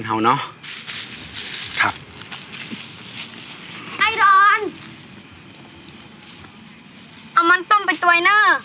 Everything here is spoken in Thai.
เอามันต้มไปตัวเนอะ